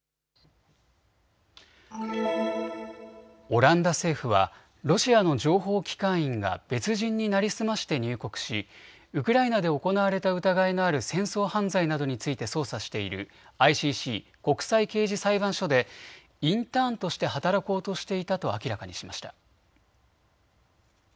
オランダ政府はロシアの情報機関員が別人に成り済まして入国しウクライナで行われた疑いのある戦争犯罪などについて捜査しているＩＣＣ・国際刑事裁判所でインターンとして働こうとしていたと明らかにしました。